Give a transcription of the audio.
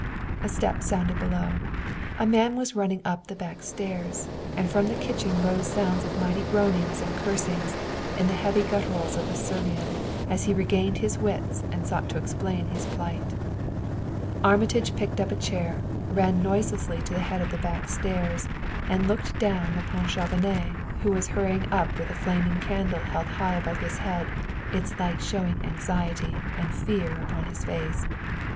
Steps sounded below; a man was running up the back stairs; and from the kitchen rose sounds of mighty groanings and cursings in the heavy gutturals of the Servian, as he regained his wits and sought to explain his plight. Armitage picked up a chair, ran noiselessly to the head of the back stairs, and looked down upon Chauvenet, who was hurrying up with a flaming candle held high above his head, its light showing anxiety and fear upon his face.